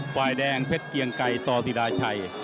ไฟแดงเผ็ดเครียงไกรต่อสีราชัย